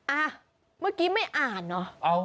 อ่ะเมื่อกี้ไม่อ่านเนอะ